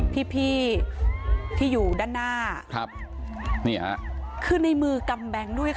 ที่พี่ที่อยู่ด้านหน้าเนี่ยขึ้นในมือกำแบงด้วยซะ